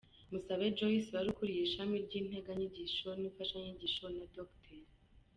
Musabe Joyce wari ukuriye Ishami ry’Integanyanyigisho n’Imfashanyigisho na Dr.